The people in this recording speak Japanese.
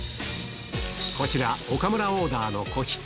こちら、岡村オーダーの仔羊。